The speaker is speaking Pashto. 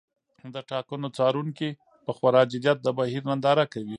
د ټاکنو څارونکي په خورا جدیت د بهیر ننداره کوي.